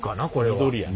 緑やね。